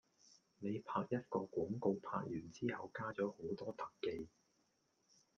你拍一個廣告拍完之後加咗好多特技